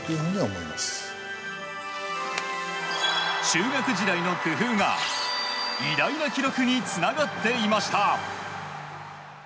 中学時代の工夫が偉大な記録につながっていました。